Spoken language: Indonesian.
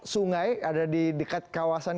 sungai ada di dekat kawasan